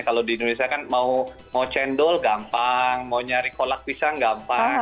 kalau di indonesia kan mau cendol gampang mau nyari kolak pisang gampang